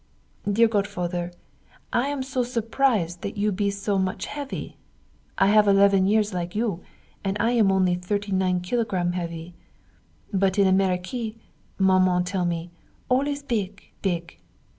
Dear godfather, I am also surprise that you be so much heavy. I have 11 years like you, and I am only 39 kg heavy. But in Amerique, Maman tell me, all is big, big!